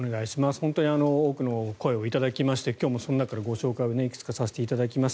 本当に多くの声を頂きまして今日もその中からいくつかご紹介をさせていただきます。